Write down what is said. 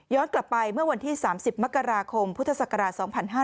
กลับไปเมื่อวันที่๓๐มกราคมพุทธศักราช๒๕๕๙